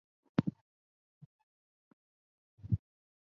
雷劈石山摩崖的历史年代为明代。